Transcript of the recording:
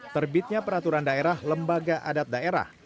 terbitnya peraturan daerah lembaga adat daerah